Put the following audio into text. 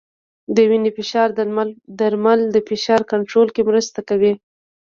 د وینې فشار درمل د فشار کنټرول کې مرسته کوي.